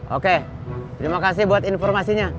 oke terima kasih buat informasinya